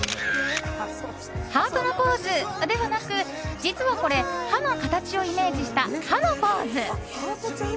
ハートのポーズではなく、実はこれ歯の形をイメージした歯のポーズ。